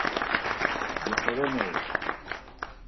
Dixoroney.